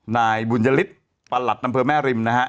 นายบุญพาธิมิตย์ประหลัดอำเมอริม